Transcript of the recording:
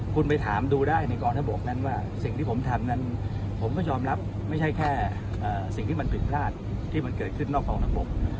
คุณไปถามดูได้ในกองทัพบกนั้นว่าสิ่งที่ผมทำนั้นผมก็ยอมรับไม่ใช่แค่สิ่งที่มันผิดพลาดที่มันเกิดขึ้นนอกกองทัพบก